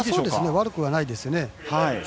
悪くはないですね。